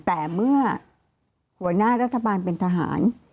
แต่เมื่อหัวหน้ารัฐบาลเป็นทหาร